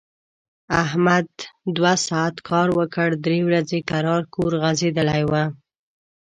احمد دوه ساعت کار وکړ، درې ورځي کرار کور غځېدلی و.